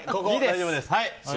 大丈夫です。